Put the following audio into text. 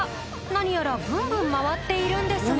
何やらブンブン回っているんですが。